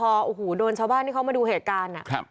พอโอ้โหโดนชาวบ้านที่เขามาดูเหตุการณ์